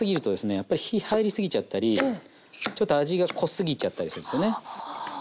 やっぱり火入りすぎちゃったりちょっと味が濃すぎちゃったりするんですよね。